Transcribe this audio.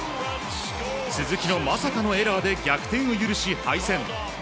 鈴木のまさかのエラーで逆転を許し、敗戦。